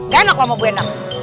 gak enak sama bu enak